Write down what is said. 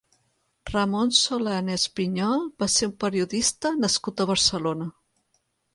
Ramon Solanes Pinyol va ser un periodista nascut a Barcelona.